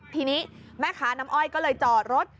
ทีนี้แม่ค้าน้ำอ้อยก็เลยจอดรถ